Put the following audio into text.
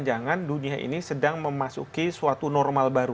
di sini key fingering indonesia ini sedang memasuki suatu normal baru